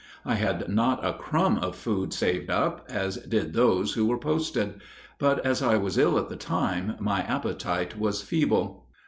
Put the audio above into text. I had not a crumb of food saved up, as did those who were posted; but as I was ill at the time, my appetite was feeble.